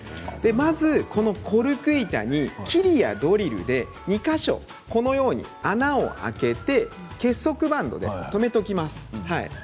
まず、このコルク板にきりやドリルで２か所このように穴を開けて結束バンドで留めておきます。